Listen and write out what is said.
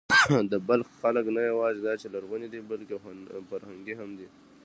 د بلخ خلک نه یواځې دا چې لرغوني دي، بلکې فرهنګي هم دي.